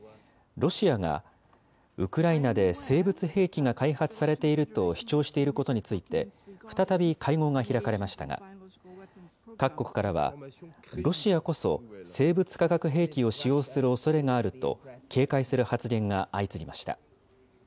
ロシアがウクライナで生物兵器が開発されていると主張していることについて、再び会合が開かれましたが、各国からはロシアこそ生物化学兵器を使用するおそれがあると警戒する発言が相次ぎました。